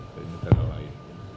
dari negara lain